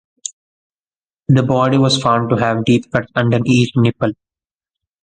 The body was found to have deep cuts under each nipple.